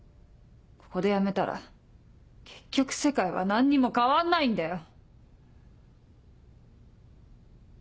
ここでやめたら結局世界は何にも変わんないんだよ。